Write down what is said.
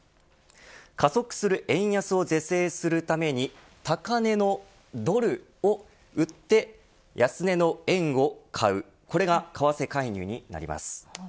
加速する円安を是正するために高値のドルを売って、安値の円を買うこれが為替介入になります。